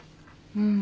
うん。